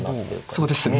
そうですね。